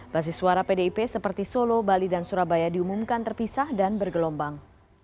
basis suara pdip seperti solo bali dan surabaya diumumkan terpisah dan bergelombang